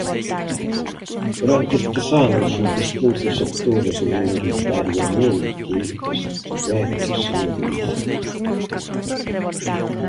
Durante estes anos os distintos sectores, minoritariamente, estivéronse mobilizando.